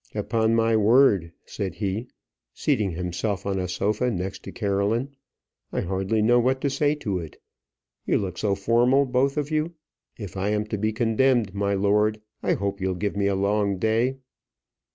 "Upon my word," said he, seating himself on a sofa next to Caroline; "I hardly know what to say to it. You look so formal both of you. If I am to be condemned, my lord, I hope you'll give me a long day."